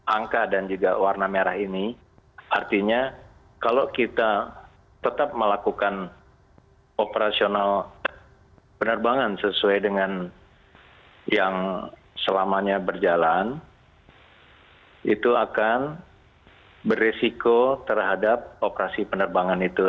angka dan juga warna merah ini artinya kalau kita tetap melakukan operasional penerbangan sesuai dengan yang selamanya berjalan itu akan beresiko terhadap operasi penerbangan itu